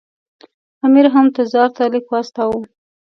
امیر هم تزار ته لیک واستاوه.